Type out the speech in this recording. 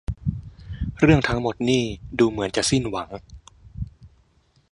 เรื่องทั้งหมดนี่ดูเหมือนจะสิ้นหวัง